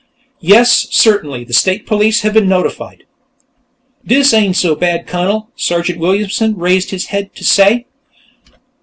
Yes, certainly; the State Police have been notified." "Dis ain' so bad, Cunnel," Sergeant Williamson raised his head to say.